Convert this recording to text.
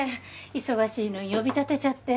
忙しいのに呼び立てちゃって。